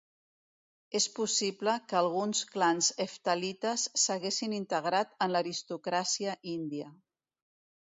És possible que alguns clans heftalites s'haguessin integrat en l'aristocràcia índia.